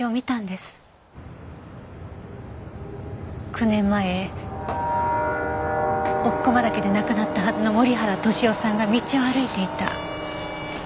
９年前奥駒岳で亡くなったはずの森原俊夫さんが道を歩いていた。